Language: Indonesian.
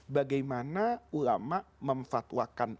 bagaimana ulama memfatwakan